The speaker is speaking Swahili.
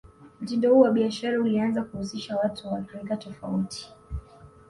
mtindo huo wa Biashara ulianza kuhusisha Watu wa rika tofauti